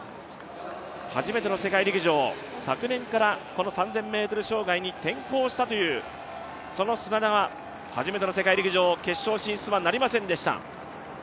初めての世界陸上昨年からこの３０００ｍ障害に転向したというその砂田は初めての世界陸上、決勝進出はなりませんでした。